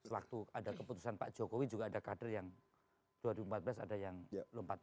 waktu ada keputusan pak jokowi juga ada kader yang dua ribu empat belas ada yang lompat